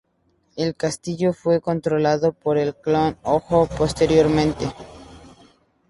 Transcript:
El castillo fue controlado por el clan Hōjō posteriormente.